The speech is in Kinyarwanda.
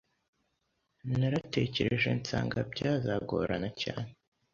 naratekereje nsanga byazagorana cyane